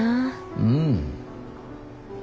うん。